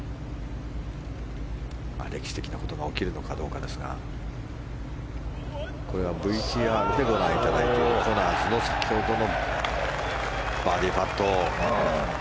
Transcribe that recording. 歴史的なことが起きるのかどうかですがこれはＶＴＲでご覧いただいているコナーズの先ほどのバーディーパット。